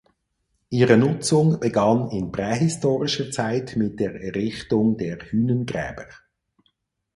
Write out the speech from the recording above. Ihre Nutzung begann in prähistorischer Zeit mit der Errichtung der Hünengräber.